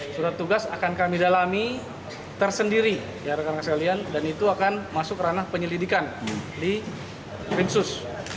surat tugas akan kami dalami tersendiri dan itu akan masuk ranah penyelidikan di rinsus